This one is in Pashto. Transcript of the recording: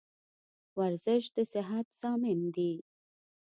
ورزش دصحت ضامن دي.